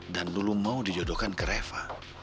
dan dulu mau dijodohkan ke reva